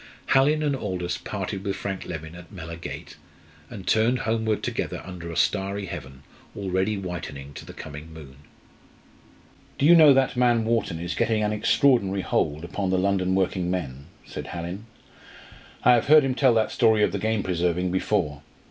Hallin and Aldous parted with Frank Leven at Mellor gate, and turned homeward together under a starry heaven already whitening to the coming moon. "Do you know that man Wharton is getting an extraordinary hold upon the London working men?" said Hallin. "I have heard him tell that story of the game preserving before.